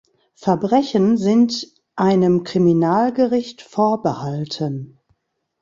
Verbrechen sind einem Kriminalgericht vorbehalten.